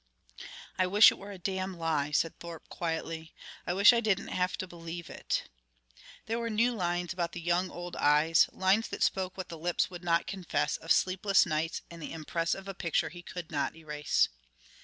"I wish it were a damn lie," said Thorpe quietly. "I wish I didn't have to believe it." There were new lines about the young old eyes, lines that spoke what the lips would not confess of sleepless nights and the impress of a picture he could not erase.